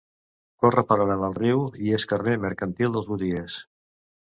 Corre paral·lel al riu i és carrer mercantil dels botiguers.